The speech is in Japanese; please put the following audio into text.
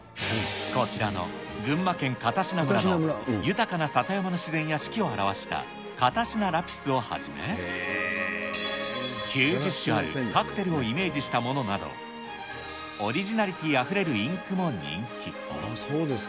こちらの群馬県片品村の豊かな里山の自然や四季を表した片品ラピスをはじめ、９０種類のカクテルをイメージしたものなど、オリジナリティーあふれるインクも人気。